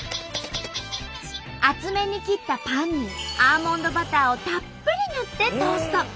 厚めに切ったパンにアーモンドバターをたっぷり塗ってトースト。